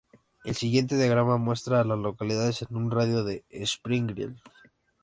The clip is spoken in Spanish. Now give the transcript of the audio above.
El siguiente diagrama muestra a las localidades en un radio de de Springfield.